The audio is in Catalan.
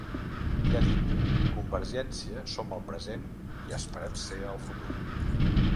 I ha dit: ‘Convergència som el present i esperem ser el futur’.